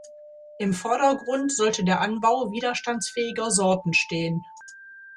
Im Vordergrund sollte der Anbau widerstandsfähiger Sorten stehen.